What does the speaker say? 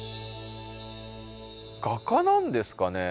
画家なんですかね？